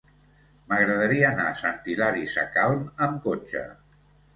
M'agradaria anar a Sant Hilari Sacalm amb cotxe.